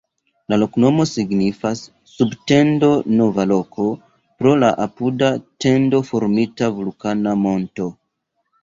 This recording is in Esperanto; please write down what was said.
La loknomo signifas: sub-tendo-nova-loko, pro la apuda tendo-formita vulkana monto.